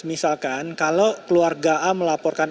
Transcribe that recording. misalkan kalau keluarga a melaporkan